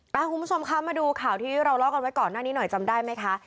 คุณผู้ชมคะมาดูข่าวที่เราเล่ากันไว้ก่อนหน้านี้หน่อยจำได้ไหมคะ